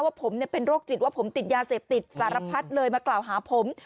ว่าผมเป็นโรคจิตว่าผมติดยาเสพติดสารพัดเลยมากล่าวหาผม